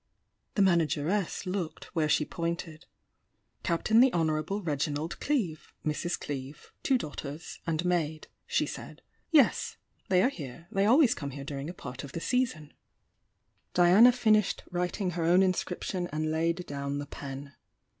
The manageress looked where she pointed. "Captain the Honourable Reginald Cleeve, Mrs. Cleeve, two daughters and maid," she said. "Yes — they are here, — they always come here during a part of fee season." Diana finished writing her own inscription and laid down the pen.